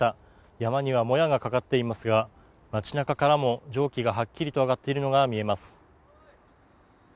山にはもやがかかっていますが、町なかからも蒸気がはっきりと上がっているのが見えます。